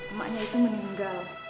emaknya itu meninggal